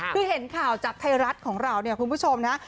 คือเห็นข่าวจากไทยรัฐของเราเนี่ยคุณผู้ชมนะ